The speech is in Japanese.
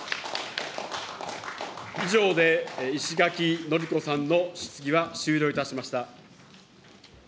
以上で石垣のりこさんの質疑は終了いたしました。